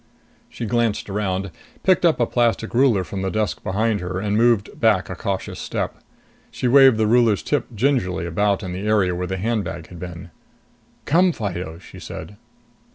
She glanced around, picked up a plastic ruler from the desk behind her, and moved back a cautious step. She waved the ruler's tip gingerly about in the area where the handbag had been. "Come, Fido!" she said.